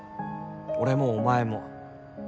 俺もお前も。